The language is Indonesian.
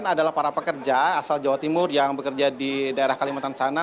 adalah para pekerja asal jawa timur yang bekerja di daerah kalimantan sana